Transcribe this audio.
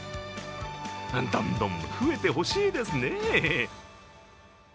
どんどん増えてほしいですね。